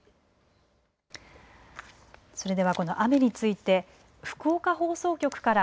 それではこの雨について福岡放送局から